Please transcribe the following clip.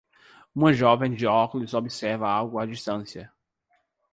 Uma jovem de óculos observa algo à distância.